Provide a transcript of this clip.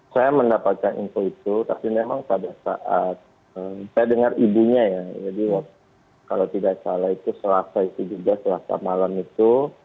saya mendapatkan info itu tapi memang pada saat saya dengar ibunya ya jadi kalau tidak salah itu selasa itu juga selasa malam itu